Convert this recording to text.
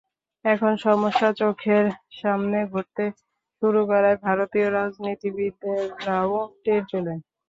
এখন সমস্যা চোখের সামনে ঘটতে শুরু করায় ভারতীয় রাজনীতিবিদেরাও টের পেলেন।